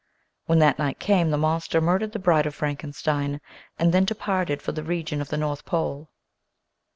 When that night came the monster murdered the bride of Frankenstein and then departed for the region of the north pole.